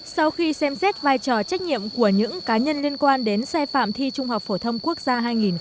sau khi xem xét vai trò trách nhiệm của những cá nhân liên quan đến sai phạm thi trung học phổ thông quốc gia hai nghìn một mươi tám